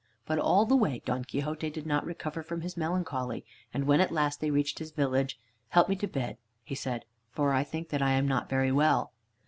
But all the way Don Quixote did not recover from his melancholy, and when at last they reached his village: "Help me to bed," he said, "for I think that I am not very well."